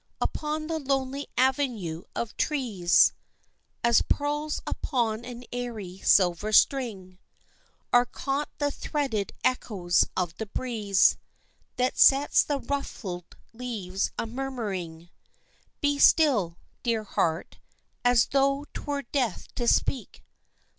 Upon the lonely avenue of trees, As pearls upon an airy silver string, Are caught the threaded echoes of the breeze That sets the ruffled leaves a murmuring. Be still, dear heart, as though 'twere death to speak.